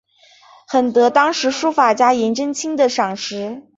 很得当时书法家颜真卿的赏识。